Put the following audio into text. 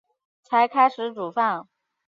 才开始煮饭